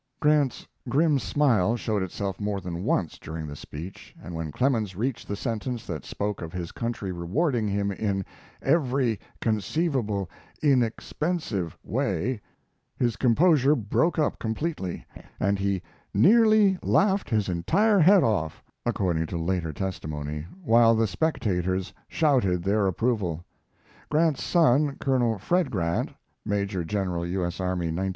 Grant's grim smile showed itself more than once during the speech, and when Clemens reached the sentence that spoke of his country rewarding him in "every conceivable inexpensive way" his composure broke up completely and he "nearly laughed his entire head off," according to later testimony, while the spectators shouted their approval. Grant's son, Col. Fred Grant, [Maj. Gen'l, U. S. Army, 1906.